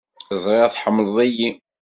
Ẓriɣ tḥemmleḍ-iyi.